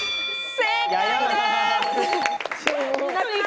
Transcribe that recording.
正解です。